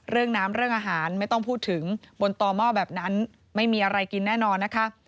เรื่องน้ำเรื่องอาหารไม่ต้องพูดถึงบนต่อหม้อแบบนั้นไม่มีอะไรกินแน่นอนนะคะ